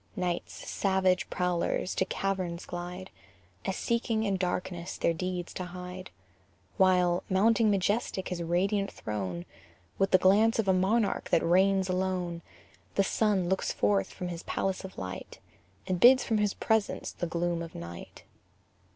Night's savage prowlers to caverns glide, As seeking in darkness their deeds to hide; While, mounting majestic his radiant throne, With the glance of a monarch who reigns alone, The sun looks forth from his palace of light, And bids from his presence the gloom of night.